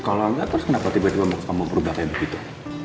kalau enggak terus kenapa tiba tiba kamu berubah kayak begitu